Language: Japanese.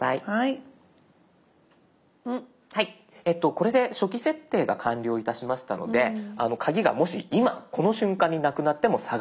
これで初期設定が完了いたしましたのでカギがもし今この瞬間になくなっても探すことができます。